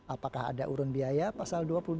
apakah ada urun biaya pasal dua puluh dua